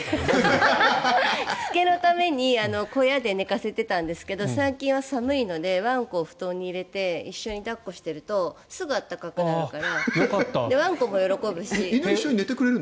しつけのために小屋で寝かせてたんですが最近は寒いのでワンコを布団に入れて一緒に抱っこしてるとすぐ暖かくなるから。